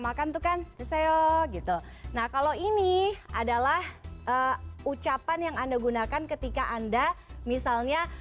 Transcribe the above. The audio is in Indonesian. makan tuh kan seo gitu nah kalau ini adalah ucapan yang anda gunakan ketika anda misalnya